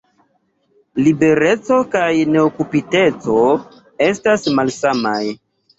Libereco kaj neokupiteco estas malsamaj.